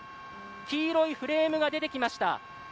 黄色いフレームが出てきました。